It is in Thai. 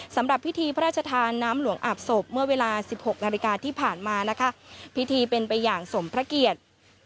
สำหรับพิธีพระราชทานน้ำหลวงอาบศพเมื่อเวลาสิบหกนาฬิกาที่ผ่านมานะคะพิธีเป็นไปอย่างสมพระเกียรติ